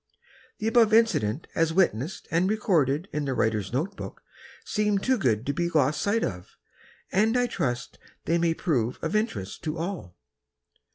The above incident as witnessed and recorded in the writer's note book, seem too good to be lost sight of, and I trust they may prove of interest to all.